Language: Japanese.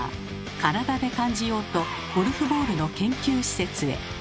体で感じようとゴルフボールの研究施設へ。